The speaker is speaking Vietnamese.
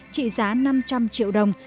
trị giá năm trăm linh triệu đồng